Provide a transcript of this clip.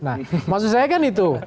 nah maksud saya kan itu